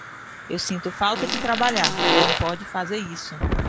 Eu sinto falta de trabalhar, ninguém pode fazer isso.